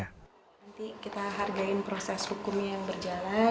nanti kita hargai proses hukumnya yang berjalan